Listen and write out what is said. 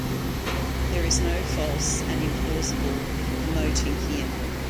There is no false and implausible emoting here.